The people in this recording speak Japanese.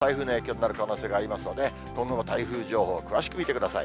この金曜日の雨が台風の影響になる可能性がありますので、今後の台風情報、詳しく見てください。